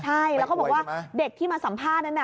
ใช่แล้วก็บอกว่าเด็กที่มาสัมภาษณ์นั้น